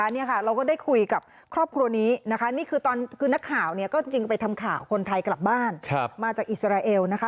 นี่ค่ะเราก็ได้คุยกับครอบครัวนี้นะคะนี่คือตอนคือนักข่าวเนี่ยก็จริงไปทำข่าวคนไทยกลับบ้านมาจากอิสราเอลนะคะ